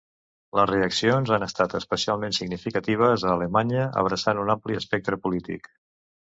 Les reaccions han estat especialment significatives a Alemanya, abraçant un ampli espectre polític.